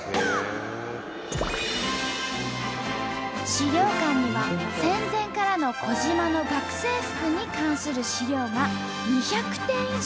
資料館には戦前からの児島の学生服に関する資料が２００点以上。